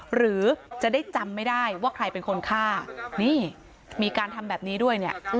หรือจะได้จำไม่ได้ว่าใครเป็นคนฆ่านี่มีการทำแบบนี้ด้วยเนี่ย